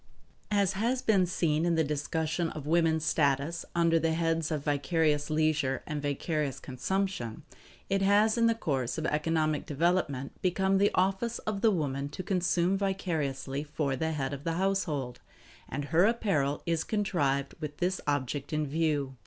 As has been seen in the discussion of woman's status under the heads of Vicarious Leisure and Vicarious Consumption, it has in the course of economic development become the office of the woman to consume vicariously for the head of the household; and her apparel is contrived with this object in view.